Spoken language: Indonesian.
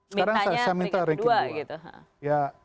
sekarang saya minta rengkin dua